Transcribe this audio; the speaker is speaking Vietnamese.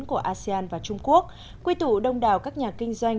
của asean và trung quốc quy tụ đông đào các nhà kinh doanh